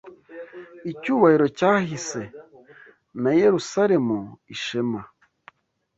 icyubahiro cyahise, na Yerusalemu ishema!